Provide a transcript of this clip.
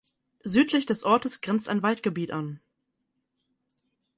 Südlich des Ortes grenzt ein Waldgebiet an.